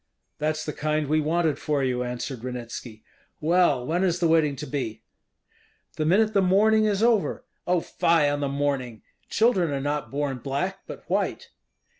"That's the kind we wanted for you," answered Ranitski. "Well, when is the wedding to be?" "The minute the mourning is over." "Oh, fie on the mourning! Children are not born black, but white."